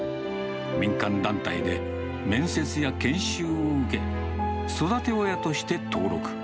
民間団体で面接や研修を受け、育て親として登録。